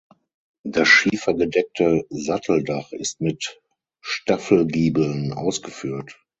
Das schiefergedeckte Satteldach ist mit Staffelgiebeln ausgeführt.